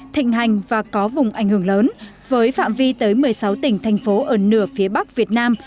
thịnh hành và có vùng ảnh hưởng lớn với phạm vi tới một mươi sáu tỉnh thành phố ở nửa phía bắc việt nam